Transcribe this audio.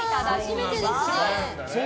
初めてですね。